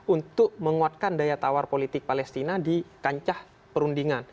untuk menguatkan daya tawar politik palestina di kancah perundingan